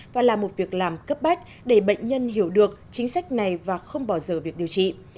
và là một việc làm cấp bách để bệnh nhân hiểu được chính sách này và không bỏ giờ việc điều trị